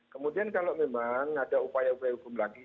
kemudian kalau memang ada upaya upaya hukum lagi